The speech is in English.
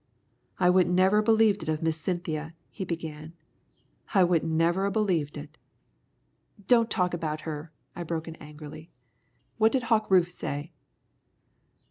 "I wouldn't never a believed it of Miss Cynthia," he began, "I wouldn't never a believed it." "Don't talk about her," I broke in angrily. "What did Hawk Rufe say?"